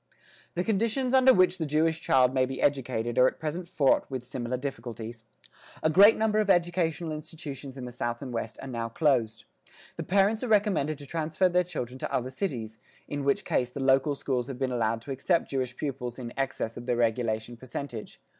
The conditions under which the Jewish child may be educated are at present fraught with similar difficulties. A great number of educational institutions in the south and west are now closed. The parents are recommended to transfer their children to other cities in which case the local schools have been allowed to accept Jewish pupils in excess of their regulation percentage.